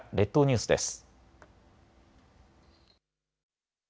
列島ニュースです。